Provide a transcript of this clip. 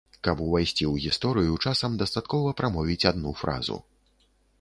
Каб увайсці ў гісторыю, часам дастаткова прамовіць адну фразу.